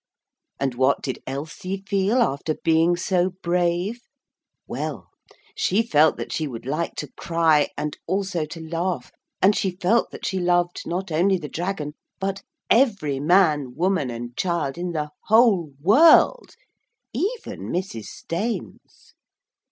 And what did Elsie feel after being so brave? Well, she felt that she would like to cry, and also to laugh, and she felt that she loved not only the dragon, but every man, woman, and child in the whole world even Mrs. Staines.